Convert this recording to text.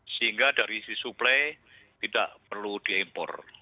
sehingga dari isi suplei tidak perlu diimpor